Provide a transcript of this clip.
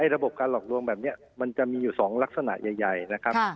ระบบการหลอกลวงแบบนี้มันจะมีอยู่๒ลักษณะใหญ่นะครับ